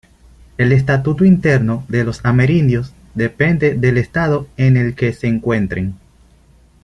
El estatuto interno de los amerindios depende del estado en el que se encuentren.